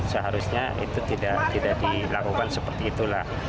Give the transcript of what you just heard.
seharusnya itu tidak dilakukan seperti itulah